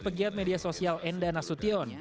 pegiat media sosial enda nasution